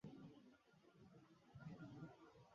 نام كا نام، تخلص كا تخلص ہے امير